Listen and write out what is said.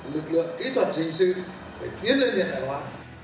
lực lượng kỹ thuật hình sự phải tiến lên hiện đại hóa